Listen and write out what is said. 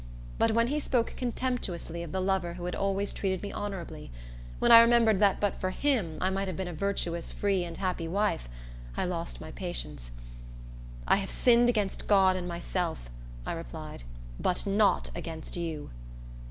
But when he spoke contemptuously of the lover who had always treated me honorably; when I remembered that but for him I might have been a virtuous, free, and happy wife, I lost my patience. "I have sinned against God and myself," I replied; "but not against you."